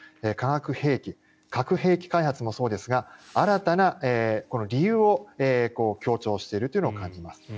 化学兵器核兵器開発もそうですが新たな理由を強調しているというのを感じます。